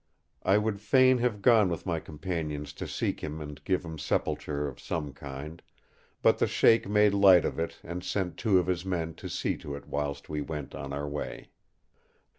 I would fain have gone with my companions to seek him and give him sepulture of some kind; but the Sheik made light of it, and sent two of his men to see to it whilst we went on our way.